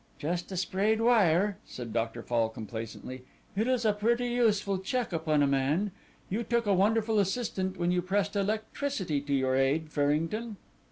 "Just a sprayed wire," said Dr. Fall complacently; "it is a pretty useful check upon a man. You took a wonderful assistant when you pressed electricity to your aid, Farrington."